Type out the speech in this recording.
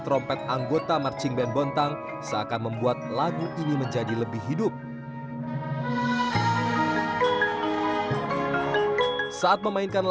alunan nada syahdu dari marching band bontang membuat penonton terhanyut dalam suasana